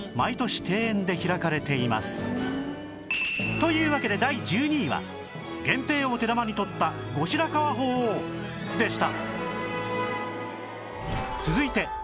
というわけで第１２位は源平を手玉に取った後白河法皇でした